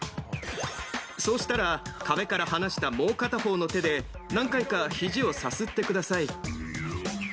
そうしたら壁から離したもう片方の手で何回か、肘をさすってください。